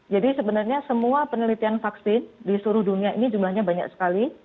jadi sebenarnya semua penelitian vaksin di seluruh dunia ini jumlahnya banyak sekali